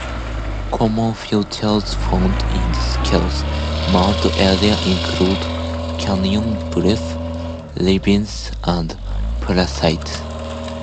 Common features found in the Scales Mound area include canyons, bluffs, ravines and palisades.